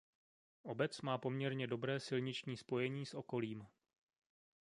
Obec má poměrně dobré silniční spojení s okolím.